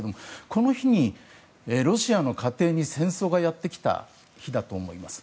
この日にロシアの家庭に戦争がやってきた日だと思います。